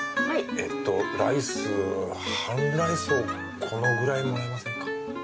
えっとライス半ライスをこのくらいもらえませんか？